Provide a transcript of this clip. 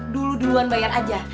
dulu duluan bayar aja